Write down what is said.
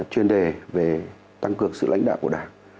chuyên đề về tăng cường sự lãnh đạo của đảng